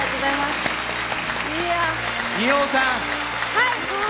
はい！